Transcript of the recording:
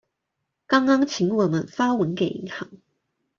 剛剛請我們發文給銀行